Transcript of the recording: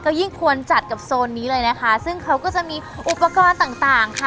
ก็ยิ่งควรจัดกับโซนนี้เลยนะคะซึ่งเขาก็จะมีอุปกรณ์ต่างต่างค่ะ